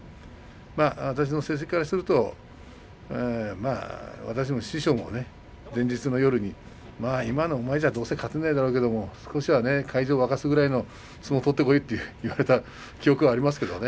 私の成績からすると私の師匠も、前日の夜にまあ今のお前じゃどうせ勝てないだろうけど、少しは会場を沸かすくらいの相撲を取ってこいと言われた記憶はありますけれどもね。